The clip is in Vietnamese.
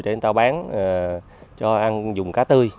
thì chúng ta bán cho ăn dùng cá tươi